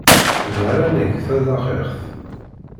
Da ara neg tazaxixt.